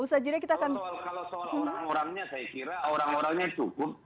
kalau soal orang orangnya saya kira orang orangnya cukup